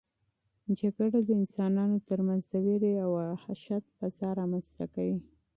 جګړه د انسانانو ترمنځ د وېرې او وحشت فضا رامنځته کوي.